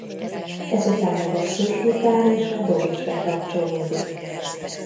Ezután a basszusgitár és a dob is bekapcsolódik.